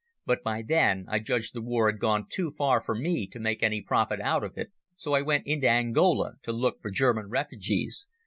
But by then I judged the war had gone too far for me to make any profit out of it, so I went into Angola to look for German refugees.